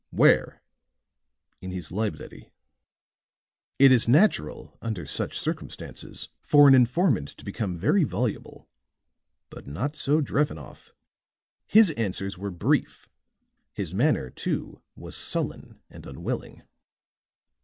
"Where?" "In his library." It is natural, under such circumstances, for an informant to become very voluble; but not so Drevenoff. His answers were brief; his manner, too, was sullen and unwilling.